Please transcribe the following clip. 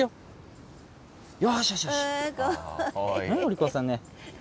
お利口さんね。